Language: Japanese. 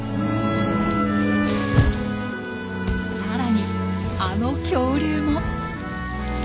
さらにあの恐竜も。